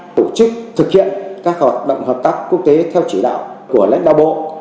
tổ chức thực hiện các hoạt động hợp tác quốc tế theo chỉ đạo của lãnh đạo bộ